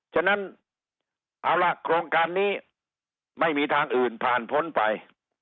ฉะนั้นเอาล่ะโครงการนี้ไม่มีทางอื่นผ่านพ้นไป